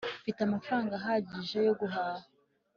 mfite amafaranga ahagije yo guhaha